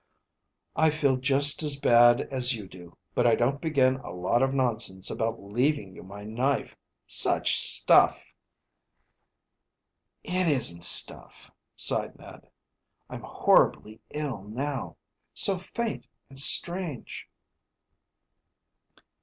"I feel just as bad as you do, but I don't begin a lot of nonsense about leaving you my knife. Such stuff!" "It isn't stuff," sighed Ned. "I'm horribly ill now. So faint and strange."